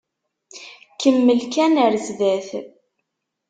Kemmel kan ar zdat.